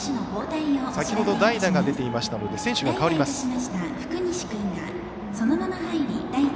先ほど代打が出ていましたので選手が代わります。